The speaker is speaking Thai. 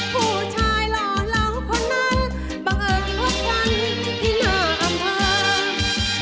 ผู้ชายหล่อเหล่าคนนั้นบังเอิญพบวันที่หน้าอำเภอ